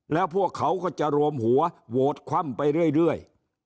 แล้วพวกเขาก็จะรวมหัวโหวตคว่ำไปเรื่อย